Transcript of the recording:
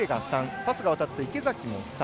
パスがわたって池崎も３。